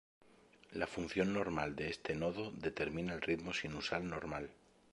La función normal de este nodo determina el ritmo sinusal normal.